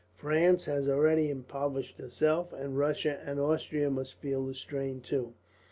France has already impoverished herself, and Russia and Austria must feel the strain, too.